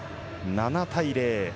７対０。